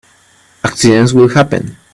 Accidents will happen.